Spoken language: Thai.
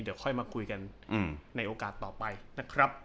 เดี๋ยวค่อยมาคุยกันในโอกาสต่อไปนะครับ